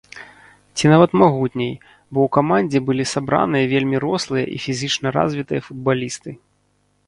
Ці нават магутней, бо ў камандзе былі сабраныя вельмі рослыя і фізічна развітыя футбалісты.